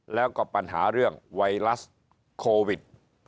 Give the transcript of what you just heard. แล้วก็ปัญหาเรื่องไวรัสโควิด